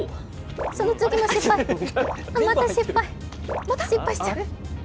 その次も失敗、また失敗、また失敗しちゃう、。